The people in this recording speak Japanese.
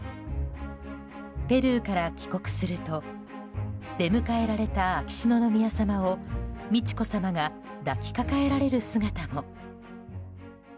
ペルーから帰国すると出迎えられた秋篠宮さまを美智子さまが抱きかかえられる姿も。